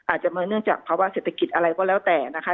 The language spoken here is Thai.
อาจจะมาเนื่องจากภาวะเศรษฐกิจอะไรก็แล้วแต่นะคะ